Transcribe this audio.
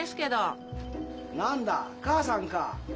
何だかあさんか。